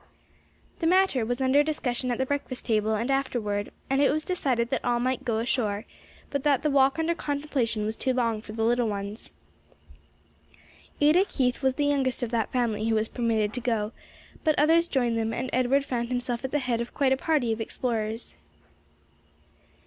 The matter was under discussion at the breakfast table and afterward, and it was decided that all might go ashore, but that the walk under contemplation was too long for the little ones. Ada Keith was the youngest of that family who was permitted to go; but others joined them and Edward found himself at the head of quite a party of explorers.